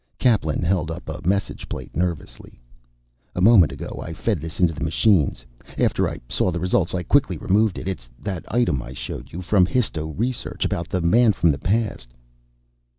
Kaplan held up a message plate nervously. "A moment ago I fed this into the machines. After I saw the results I quickly removed it. It's that item I showed you. From histo research. About the man from the past."